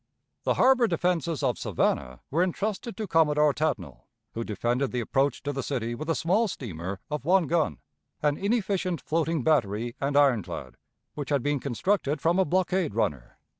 The harbor defenses of Savannah were intrusted to Commodore Tatnall, who defended the approach to the city with a small steamer of one gun, an inefficient floating battery and ironclad, which had been constructed from a blockade runner.